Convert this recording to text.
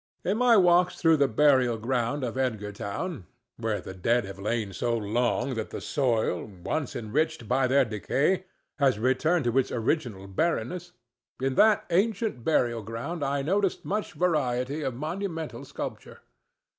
In my walks through the burial ground of Edgartown—where the dead have lain so long that the soil, once enriched by their decay, has returned to its original barrenness—in that ancient burial ground I noticed much variety of monumental sculpture.